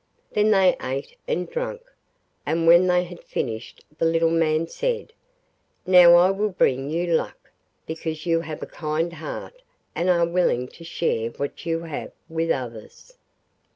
Then they ate and drank, and when they had finished the little man said: 'Now I will bring you luck, because you have a kind heart and are willing to share what you have with others.